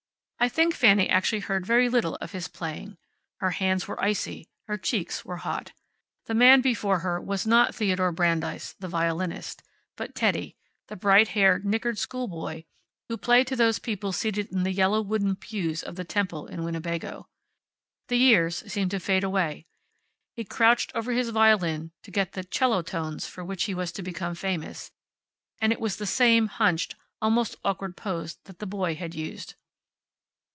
I think Fanny actually heard very little of his playing. Her hands were icy. Her cheeks were hot. The man before her was not Theodore Brandeis, the violinist, but Teddy, the bright haired, knickered schoolboy who played to those people seated in the yellow wooden pews of the temple in Winnebago. The years seemed to fade away. He crouched over his violin to get the 'cello tones for which he was to become famous, and it was the same hunched, almost awkward pose that the boy had used.